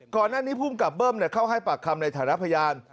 ก่อนหน้านี้ภูมิกับเบิ้มเข้าให้ปากคำในฐานะพยาน